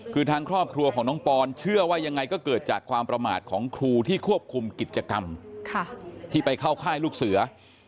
คือทางครอบครัวของน้องปอนเชื่อว่ายังไงก็เกิดจากความประมาทของครูที่ควบคุมกิจกรรมที่ไปเข้าค่ายลูกเสือ